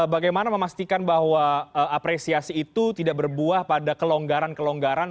bagaimana memastikan bahwa apresiasi itu tidak berbuah pada kelonggaran kelonggaran